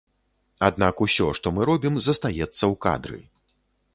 Аднак усё, што мы робім, застаецца ў кадры.